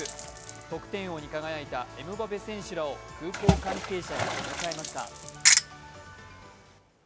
得点王に輝いたエムバぺ選手らを空港関係者が出迎えました。